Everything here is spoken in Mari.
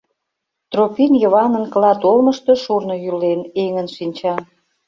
Тропин Йыванын клат олмышто шурно йӱлен, эҥын шинча.